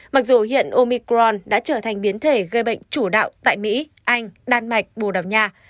mặc dù hiện omicron đã trở thành biến thể gây bệnh chủ đạo tại mỹ anh đan mạch bồ đào nha